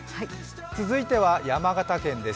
続いては山形県です。